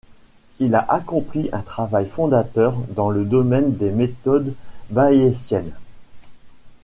Il a accompli un travail fondateur dans le domaine des méthodes bayésiennes.